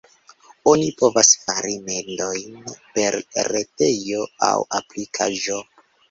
Oni povas fari mendojn per retejo aŭ aplikaĵo.